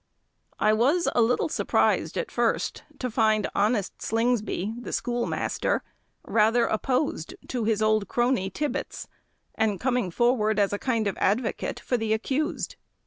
I was a little surprised, at first, to find honest Slingsby, the schoolmaster, rather opposed to his old crony Tibbets, and coming forwards as a kind of advocate for the accused.